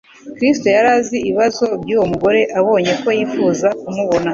Kristo yari azi ibibazo by'uwo mugore. Abonye ko yifuza kumubona,